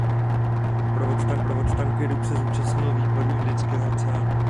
Jako doprovod tankerů se zúčastnil výpadu do Indického oceánu.